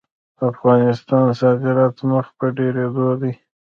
د افغانستان صادرات مخ په ډیریدو دي